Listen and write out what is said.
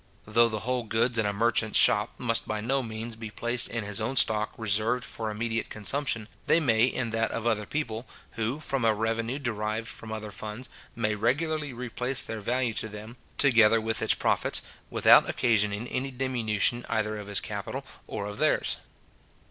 Though the whole goods in a merchant's shop must by no means be placed in his own stock reserved for immediate consumption, they may in that of other people, who, from a revenue derived from other funds, may regularly replace their value to him, together with its profits, without occasioning any diminution either of his capital or of theirs.